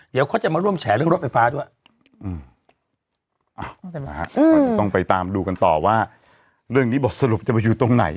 เดี๋ยวเขาจะมาร่วมแฉเรื่องรถไฟฟ้าด้วยก็จะต้องไปตามดูกันต่อว่าเรื่องนี้บทสรุปจะไปอยู่ตรงไหน